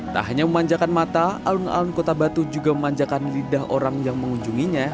tak hanya memanjakan mata alun alun kota batu juga memanjakan lidah orang yang mengunjunginya